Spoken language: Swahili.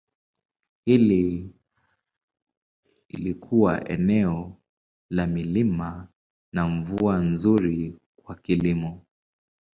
Hili lilikuwa eneo la milima na mvua nzuri kwa kilimo.